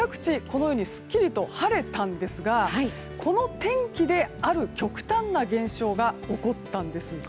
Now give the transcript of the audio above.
このようにすっきりと晴れたんですがこの天気で、ある極端な現象が起こったんです。